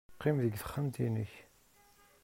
Qqim deg texxamt-nnek.